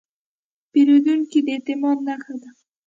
پیرودونکی د اعتماد نښه ده.